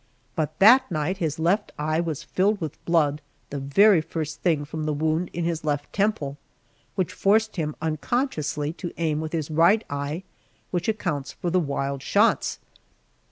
But that night his left eye was filled with blood the very first thing from the wound in his left temple, which forced him unconsciously to aim with his right eye, which accounts for the wild shots.